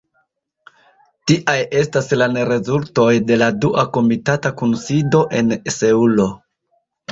Tiaj estas la nerezultoj de la dua komitata kunsido en Seulo.